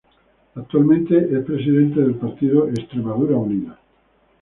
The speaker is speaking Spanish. Actualmente es presidente del partido Extremadura Unida.